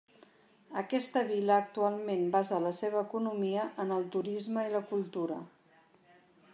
Aquesta vila actualment basa la seva economia en el turisme i la cultura.